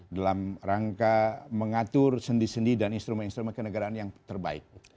dalam rangka mengatur sendi sendi dan instrumen instrumen kenegaraan yang terbaik